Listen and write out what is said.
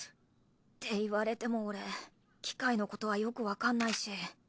って言われても俺機械のことはよくわかんないし。